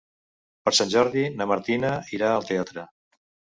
Per Sant Jordi na Martina irà al teatre.